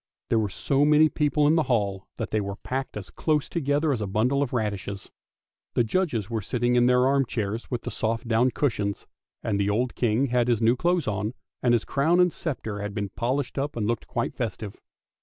There were so many people in the hall that they were packed as close together as a bundle of radishes. The judges were sitting in their arm chairs with the soft down cushions; and the old King had his new clothes on, and his crown and sceptre had been polished up and looked quite festive.